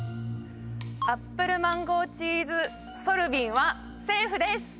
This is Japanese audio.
アップルマンゴーチーズソルビンはセーフです！